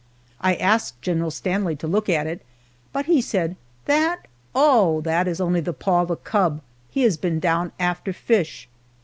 I asked General Stanley to look at it, but he said, "That? oh, that is only the paw of a cub he has been down after fish."